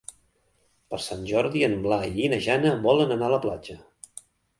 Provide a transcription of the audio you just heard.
Per Sant Jordi en Blai i na Jana volen anar a la platja.